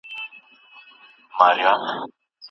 په خپل کور کي بېګانه یې تا به څوک بولي فتوا ته